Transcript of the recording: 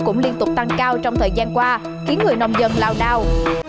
cũng liên tục tăng cao trong thời gian qua khiến người nông dân lao đao